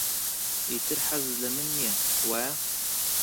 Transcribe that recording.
ئیتر حەزت لە من نییە، وایە؟